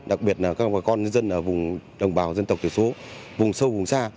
đặc biệt là các bà con nhân dân ở vùng đồng bào dân tộc tiểu số vùng sâu vùng xa